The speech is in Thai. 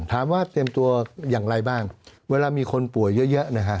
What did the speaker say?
ถามว่าเตรียมตัวอย่างไรบ้างเวลามีคนป่วยเยอะนะฮะ